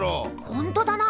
ほんとだな！